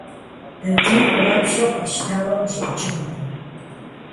Дади хуабжьу къэщтауэ къыщӀэкӀынт.